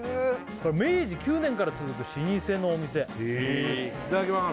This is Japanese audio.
明治９年から続く老舗のお店いただきます